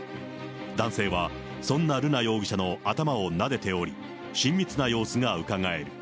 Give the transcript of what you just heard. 男性は、そんな瑠奈容疑者の頭をなでており、親密な様子がうかがえる。